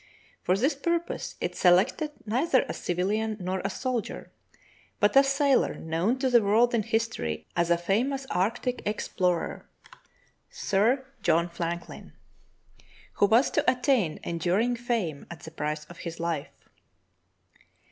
For this purpose it selected neither a civilian nor a soldier, but a sailor known to the world in history' as a famous arctic explorer — Sir i6 True Tales of Arctic Heroism John Franklin — who was to attain enduring fame at the price of his life.